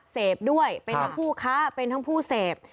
เสพด้วยเป็นทั้งผู้ค้าเป็นทั้งผู้เสพ